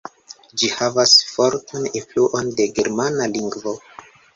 Ĝi havas fortan influon de germana lingvo.